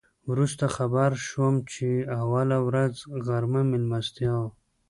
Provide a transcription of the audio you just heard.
وروسته خبر شوم چې اوله ورځ غرمه میلمستیا وه.